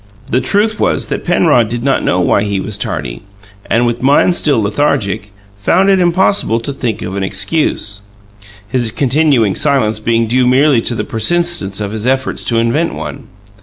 The truth was that Penrod did not know why he was tardy, and, with mind still lethargic, found it impossible to think of an excuse his continuing silence being due merely to the persistence of his efforts to invent one.